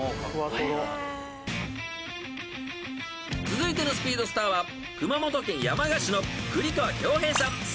［続いてのスピードスターは熊本県山鹿市の］